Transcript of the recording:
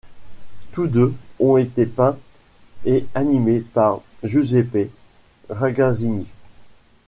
Tous deux ont été peints et animés par Giuseppe Ragazzini.